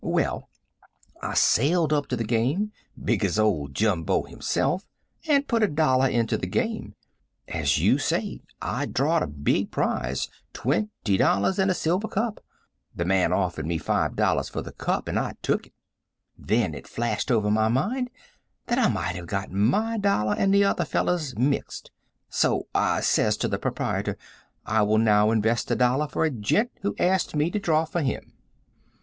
Well, I sailed up to the game, big as old Jumbo himself, and put a dollar into the game. As you say, I drawed a big prize, $20 and a silver cup. The man offered me $5 for the cup and I took it." "Then it flashed over my mind that I might have got my dollar and the other feller's mixed, so I says to the proprietor, 'I will now invest a dollar for a gent who asked me to draw for him.'